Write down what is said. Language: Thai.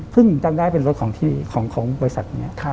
พึ่งจ้างได้เป็นรถของบริษัท